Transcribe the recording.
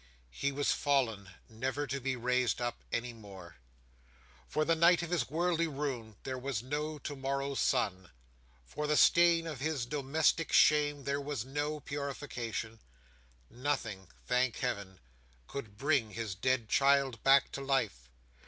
He was fallen, never to be raised up any more. For the night of his worldly ruin there was no to morrow's sun; for the stain of his domestic shame there was no purification; nothing, thank Heaven, could bring his dead child back to life.